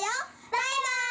バイバイ！